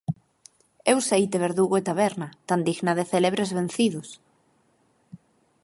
Eu seite verdugo e taberna, tan digna de célebres vencidos.